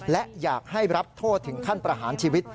และอยากให้รับโทษถึงขั้นประหารชีวิต